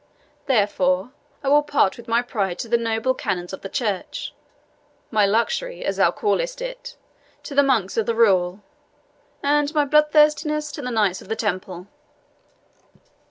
Therefore, I will part with my pride to the noble canons of the church my luxury, as thou callest it, to the monks of the rule and my bloodthirstiness to the Knights of the Temple."